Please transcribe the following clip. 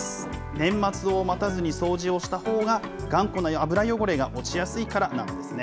年末を待たずに掃除をしたほうが、頑固な油汚れが落ちやすいからなんですね。